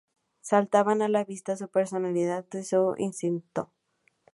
Saltaban a la vista su personalidad y su instinto.